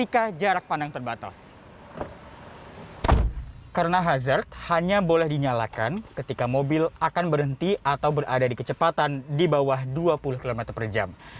karena hazard hanya boleh dinyalakan ketika mobil akan berhenti atau berada di kecepatan di bawah dua puluh km per jam